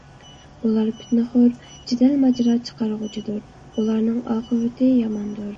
ئۇلار پىتنىخور، جېدەل - ماجىرا چىقارغۇچىدۇر. ئۇلارنىڭ ئاقىۋىتى ياماندۇر.